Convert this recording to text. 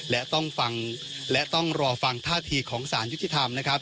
และต้องรอฟังท่าทีของสารยุทธิธรรมนะครับ